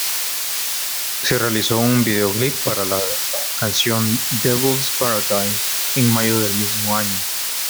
Se realizó un vídeoclip para la canción "Devil's Paradise" en mayo del mismo año.